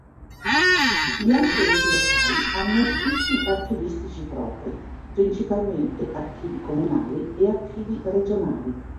Gli altri enti locali hanno uffici archivistici propri: principalmente archivi comunali e archivi regionali.